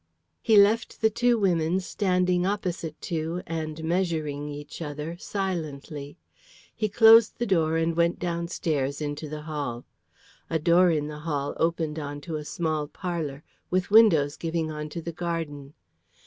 He left the two women standing opposite to and measuring each other silently; he closed the door and went down stairs into the hall. A door in the hall opened on to a small parlour, with windows giving on to the garden.